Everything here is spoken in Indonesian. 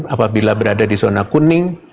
apabila berada di zona kuning